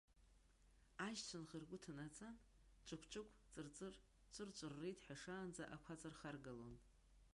Ажь цәынха ргәы ҭанаҵан, ҿықә-ҿықә, ҵыр-ҵыр, ҵәырр-ҵәыррыт ҳәа шаанӡа ақәаҵа рхаргалон.